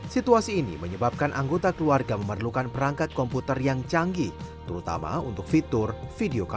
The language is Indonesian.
situasi ini menyebabkan anggota keluarga memerlukan perangkat komputer yang canggih terutama untuk fitur video call